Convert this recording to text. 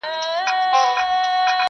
د خیرات په وخت کي د یتیم پزه ویني سي -